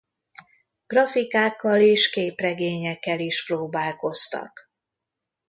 Grafikákkal és képregényekkel is próbálkoztak.